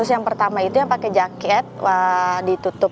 terus yang pertama itu yang pakai jaket ditutup